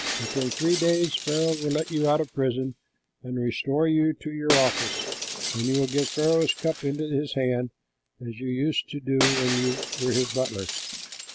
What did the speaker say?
Within three days Pharaoh will let you out of prison and restore you to your office, and you will give Pharaoh's cup into his hand as you used to do when you were his butler.